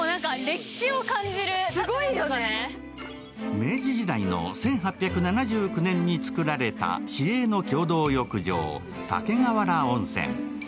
明治時代の１８７９年に造られた市営の共同浴場、竹瓦温泉。